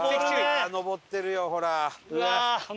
上ってるよほら。